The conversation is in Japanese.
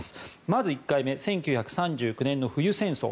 まず１回目１９３９年の冬戦争